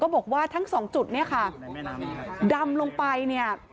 บอกว่าทั้งสองจุดเนี่ยค่ะดำลงไปเนี่ย